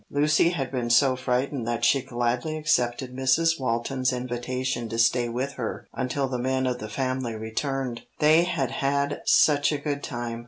Lucy had been so frightened that she gladly accepted Mrs. Walton's invitation to stay with her until the men of the family returned. They had had such a good time.